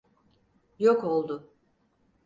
Yok oldu.